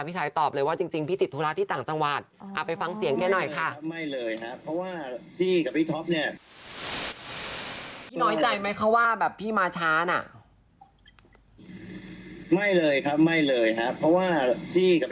พี่ไทยตอบเลยว่าจริงพี่ติดธุระที่ต่างจังหวัด